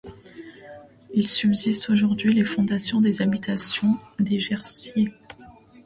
Il subsiste aujourd'hui les fondations des habitations des Jersiais.